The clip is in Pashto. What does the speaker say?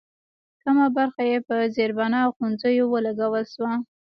کمه برخه یې پر زېربنا او ښوونځیو ولګول شوه.